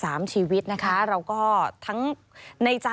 สวัสดีค่ะสวัสดีค่ะ